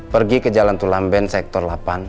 pergi ke jalan tulam band sektor delapan